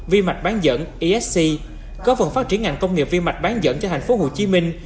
vi mạch bán dẫn esc có phần phát triển ngành công nghiệp vi mạch bán dẫn cho thành phố hồ chí minh